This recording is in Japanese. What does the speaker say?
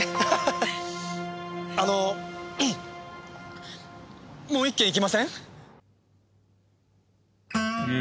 あのもう１軒行きません？